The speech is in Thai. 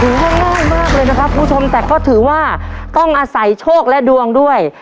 ว่าง่ายมากเลยนะครับคุณผู้ชมแต่ก็ถือว่าต้องอาศัยโชคและดวงด้วย